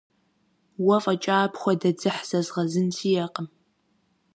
Уэ фӀэкӀа апхуэдэ дзыхь зэзгъэзын сиӀэкъым.